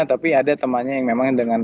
tapi ada temannya yang memang dengan